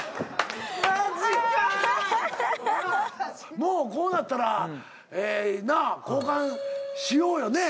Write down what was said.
もうこうなったら交換しようよね。